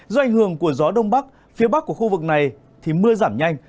do ảnh hưởng của gió đông bắc phía bắc của khu vực này thì mưa giảm nhanh